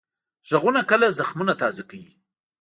غږونه کله زخمونه تازه کوي